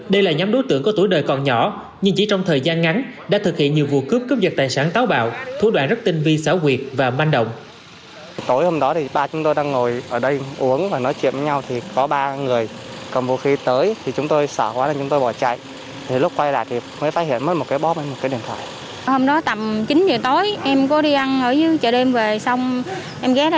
đây là nhóm đối tượng có tuổi đời còn nhỏ nhưng chỉ trong thời gian ngắn đã thực hiện nhiều vụ cướp cướp giật tài sản táo bạo thủ đoạn rất tinh vi xảo quyệt và manh động